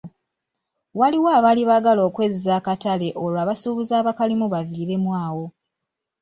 Waliwo abaali baagala okwezza akatale olwo abasuubuzi abakalimu bavireemu awo.